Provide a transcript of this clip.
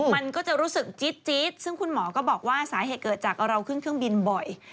มันก็จะรู้สึกจี๊ดซึ่งคุณหมอก็บอกว่าสาเหตุเกิดจากเราขึ้นเครื่องบินบ่อย